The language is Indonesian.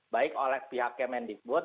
baik oleh pihak kmn dikut